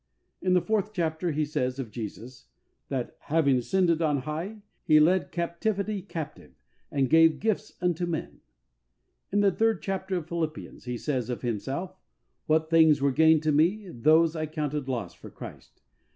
In the fourth chapter, he says of Jesus that, " having ascended on high. He led captivity captive and gave gifts unto men.'^ In the third chapter of Philippians, he says of himself, ''What things were gain to me, those I counted loss for Christ.